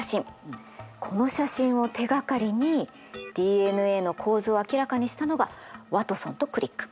この写真を手がかりにＤＮＡの構造を明らかにしたのがワトソンとクリック。